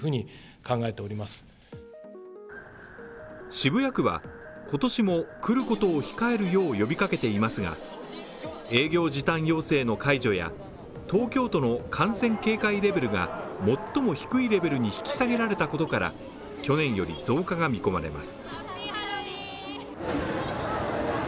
渋谷区は、今年も来ることを控えるよう呼びかけていますが、営業時短要請の解除や東京都の感染警戒レベルが最も低いレベルに引き下げられたことから去年より増加が見込まれます。